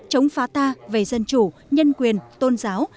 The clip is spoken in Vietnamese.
chống phá ta về dân chủ nhân quyền tôn giáo